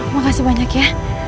makasih banyak ya